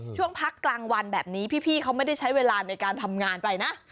ช่วงพักกลางวันแบบนี้พี่เขาไม่ได้ใช้เวลาในการทำงานไปนะ